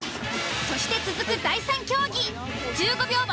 そして続く第３競技１５秒